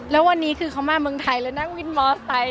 แล้ววันนี้คือเขามาเมืองไทยแล้วนั่งวินมอไซค